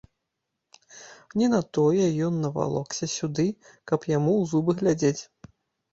Не на тое ён навалокся сюды, каб яму ў зубы глядзець.